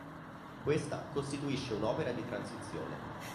Questa costituisce un'opera di transizione.